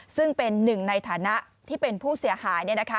ซึ่งเป็นหนึ่งในฐานะที่เป็นผู้เสียหาย